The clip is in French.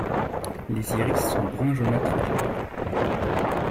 Les iris sont brun jaunâtre clair.